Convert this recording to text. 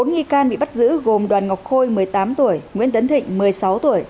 bốn nghi can bị bắt giữ gồm đoàn ngọc khôi một mươi tám tuổi nguyễn tấn thịnh một mươi sáu tuổi